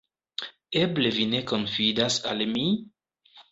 Eble vi ne konfidas al mi?